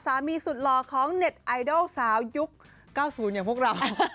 สุดหล่อของเน็ตไอดอลสาวยุค๙๐อย่างพวกเรา